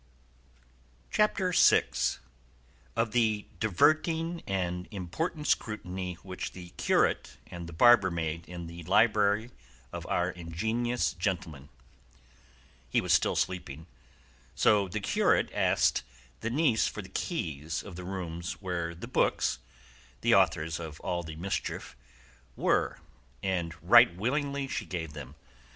CHAPTER VI. OF THE DIVERTING AND IMPORTANT SCRUTINY WHICH THE CURATE AND THE BARBER MADE IN THE LIBRARY OF OUR INGENIOUS GENTLEMAN He was still sleeping; so the curate asked the niece for the keys of the room where the books, the authors of all the mischief, were, and right willingly she gave them.